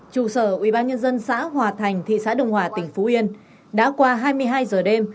trụ sở ubnd xã hòa thành thị xã đồng hòa tỉnh phú yên đã qua hai mươi hai giờ đêm